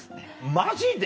マジで？